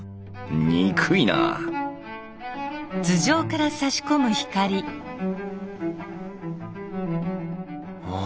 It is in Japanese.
憎いなあ